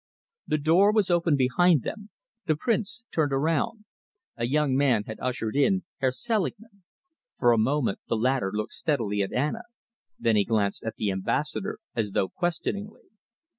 The door was opened behind them. The Prince turned around. A young man had ushered in Herr Selingman. For a moment the latter looked steadily at Anna. Then he glanced at the Ambassador as though questioningly.